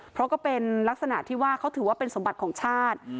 เพราะก็เป็นลักษณะที่ว่าเขาถือว่าเป็นสมบัติของชาติ